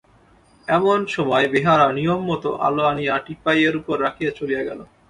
এমন সময় বেহারা নিয়মমত আলো আনিয়া টিপাইয়ের উপর রাখিয়া চলিয়া গেল।